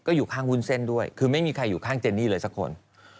อยู่ข้างวุ้นเส้นด้วยคือไม่มีใครอยู่ข้างเจนี่เลยสักคน